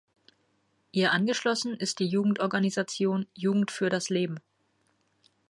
Ihr angeschlossen ist die Jugendorganisation „Jugend für das Leben“.